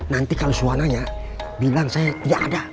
nanti kalau suha nanya bilang saya tidak ada